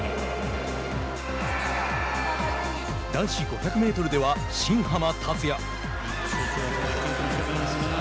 男子５００メートルでは新濱立也。